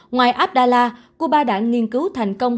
ngoài abdala cuba đã nghiên cứu thành công